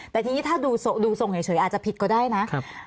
แต่ทีนี้ถ้าดูทรงเฉยอาจจะผิดก็ได้นะ